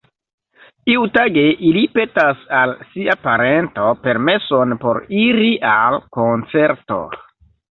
Iutage, ili petas al sia parento permeson por iri al koncerto.